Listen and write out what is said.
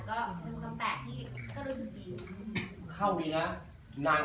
ตอนนี้การเรียกว่าเราต้องเขียนชื่อเราเป็นนาง